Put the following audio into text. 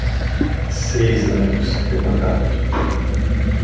Seis anos de mandato